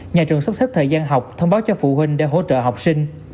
nhà trường sắp xếp thời gian học thông báo cho phụ huynh để hỗ trợ học sinh